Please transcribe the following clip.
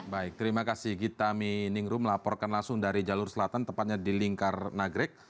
baik terima kasih gita miningrum melaporkan langsung dari jalur selatan tepatnya di lingkar nagrek